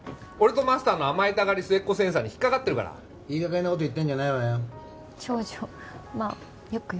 俺とマスターの甘えたがり末っ子センサーに引っ掛かってるからいいかげんなこと言ってんじゃないわよ